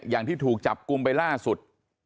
อย่างที่ถูกจับกลุ่มไปล่าสุด